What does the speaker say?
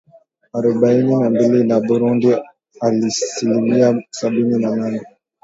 arobaini na mbili na Burundi asilimia sabini na nane